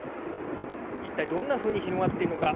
いったい、どんなふうに広がっているのか。